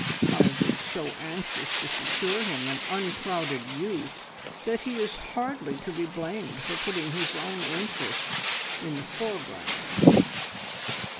I have been so anxious to secure him an unclouded youth that he is hardly to be blamed for putting his own interests in the foreground."